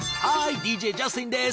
ＤＪジャスティンです。